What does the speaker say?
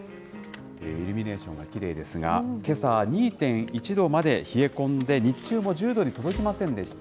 イルミネーションがきれいですが、けさは２．１度まで冷え込んで、日中も１０度に届きませんでした。